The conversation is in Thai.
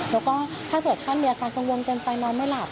แล้วก็ถ้าเกิดท่านมีอาการกังวลเกินไปนอนไม่หลับ